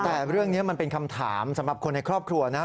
แต่เรื่องนี้มันเป็นคำถามสำหรับคนในครอบครัวนะครับ